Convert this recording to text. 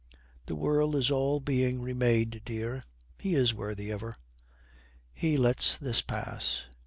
'The world is all being re made, dear. He is worthy of her.' He lets this pass.